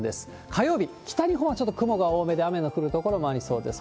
火曜日、北日本はちょっと雲が多めで、雨の降る所もありそうです。